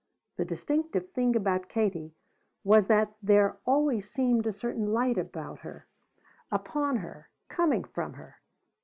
The distinctive thing about Katie was that there always seemed a certain light about her, upon her, coming from her.